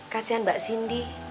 kasian mbak sindi